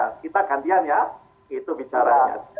nah kita gantian ya itu bicaranya